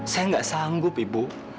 saya tidak sanggup ibu